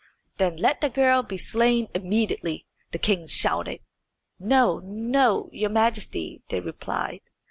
"Then let the girl be slain immediately," the king shouted. "No, no, your Majesty," they replied.